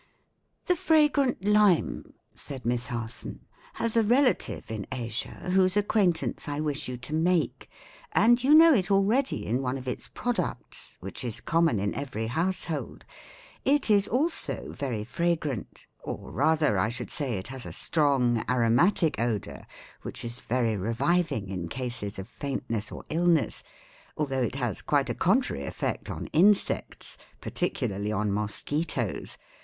"The fragrant lime," said Miss Harson, "has a relative in Asia whose acquaintance I wish you to make, and you know it already in one of its products, which is common in every household. It is also very fragrant or rather, I should say, it has a strong aromatic odor which is very reviving in cases of faintness or illness, although it has quite a contrary effect on insects, particularly on mosquitoes.